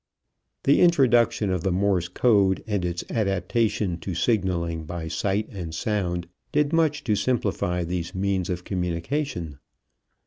The introduction of the Morse code and its adaptation to signaling by sight and sound did much to simplify these means of communication.